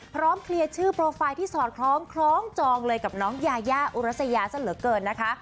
เคลียร์ชื่อโปรไฟล์ที่สอดคล้องคล้องจองเลยกับน้องยายาอุรัสยาซะเหลือเกินนะคะ